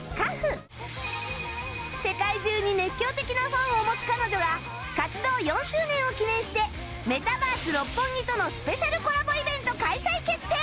世界中に熱狂的なファンを持つ彼女が活動４周年を記念してメタバース六本木とのスペシャルコラボイベント開催決定！